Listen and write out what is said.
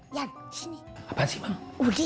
yang benar ya